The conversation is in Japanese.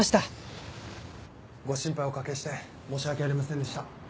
ご心配おかけして申し訳ありませんでした。